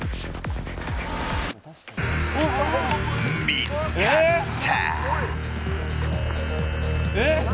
見つかった。